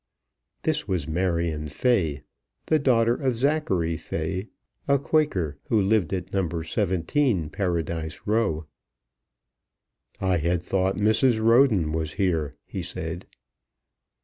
This was Marion Fay, the daughter of Zachary Fay, a Quaker, who lived at No. 17, Paradise Row. "I had thought Mrs. Roden was here," he said.